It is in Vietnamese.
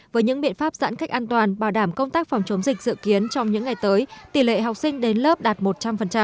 với những biện pháp giãn cách an toàn bảo đảm công tác phòng chống dịch dự kiến trong những ngày tới tỷ lệ học sinh đến lớp đạt một trăm linh